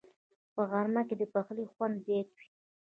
په غرمه کې د پخلي خوند زیات وي